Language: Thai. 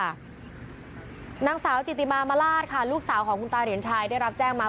นางสาวจิติมามราชค่ะลูกสาวของคุณตาเหรียญชัยได้รับแจ้งมา